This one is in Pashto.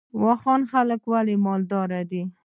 واخان خلک ولې مالدار دي؟